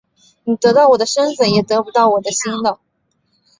你得到我的身子也得不到我的心的